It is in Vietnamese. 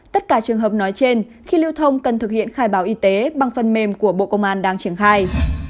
tất cả trường hợp nói trên khi lưu thông cần thực hiện khai báo y tế bằng phần mềm của bộ công an đang triển khai